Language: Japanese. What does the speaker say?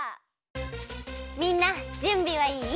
みんなじゅんびはいい？